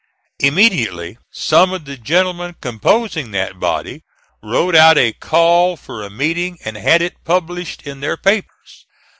Immediately some of the gentlemen composing that body wrote out a call for a meeting and had it published in their papers.